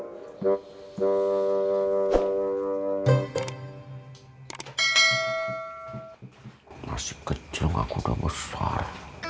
fili udah besar masih kecil gak udah besar